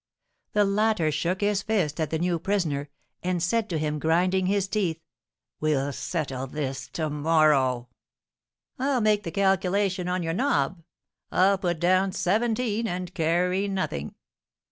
The latter shook his fist at the new prisoner, and said to him, grinding his teeth: "We'll settle this to morrow!" "I'll make the calculation on your nob! I'll put down seventeen and carry nothing!"